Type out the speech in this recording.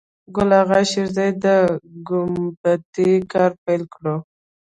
ګل آغا شېرزی د ګومبتې کار پیل کړی و.